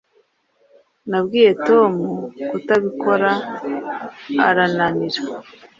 Nabwiye Tom kutabikora arananira